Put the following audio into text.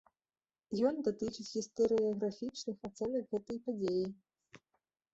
Ён датычыць гістарыяграфічных ацэнак гэтай падзеі.